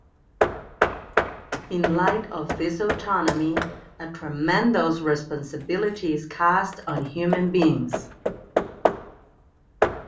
In light of this autonomy, a tremendous responsibility is cast on Human beings.